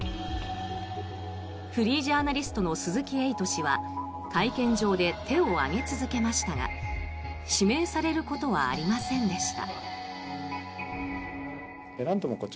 フリージャーナリストの鈴木エイト氏は会見場で手を上げ続けましたが指名されることはありませんでした。